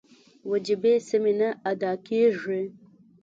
وجیبې سمې نه ادا کېږي.